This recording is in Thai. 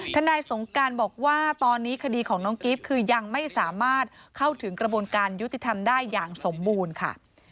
นายสงการบอกว่าตอนนี้คดีของน้องกิฟต์คือยังไม่สามารถเข้าถึงกระบวนการยุติธรรมได้อย่างสมบูรณ์ค่ะ